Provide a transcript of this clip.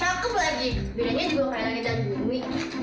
takut lagi bedanya juga kayak kita di bumi